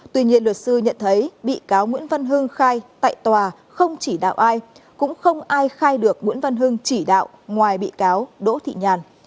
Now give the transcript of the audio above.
tuy nhiên luật sư nhận thấy bị cáo nguyễn văn hưng khai tại tòa không chỉ đạo ai cũng không ai khai được nguyễn văn hưng chỉ đạo ngoài bị cáo đỗ thị nhàn